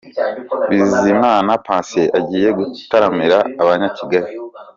Bizimana Patient agiye gutaramira Abanyakigali